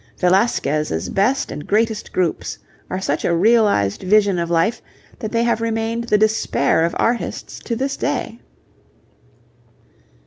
Velasquez's best and greatest groups are such a realized vision of life that they have remained the despair of artists to this day.